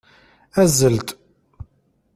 Azzel-d!